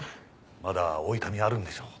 まだお痛みあるんでしょ？